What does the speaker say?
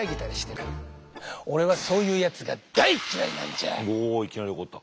だがなおいきなり怒った。